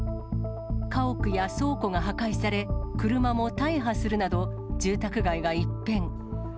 家屋や倉庫が破壊され、車も大破するなど、住宅街が一変。